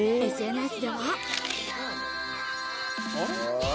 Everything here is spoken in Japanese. ＳＮＳでは。